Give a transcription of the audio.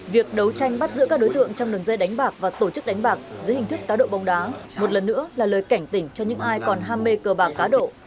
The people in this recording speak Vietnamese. việc đấu tranh bắt giữa các đối tượng trong đường dây đánh bạc và tổ chức đánh bạc dưới hình thức cá độ bóng đá một lần nữa là lời cảnh tỉnh cho những ai còn ham mê cờ bạc cá độ